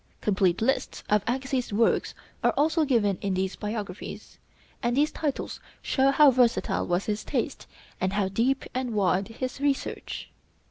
Complete lists of Agassiz's works are also given in these biographies, and these titles show how versatile was his taste and how deep and wide his research.